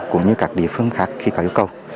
cũng như các địa phương khác khi có yêu cầu